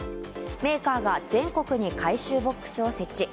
メーカーが全国に回収ボックスを設置。